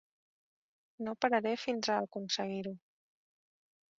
No pararé fins a aconseguir-ho.